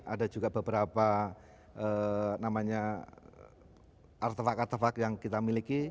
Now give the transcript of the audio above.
ada juga beberapa namanya artefak artefak yang kita miliki